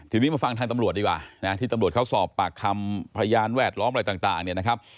ทีนี้มาฟังทางตำรวจดีกว่านะที่ตำรวจเขาสอบปากคำพยานแวดล้อมอะไรต่างเนี่ยนะครับ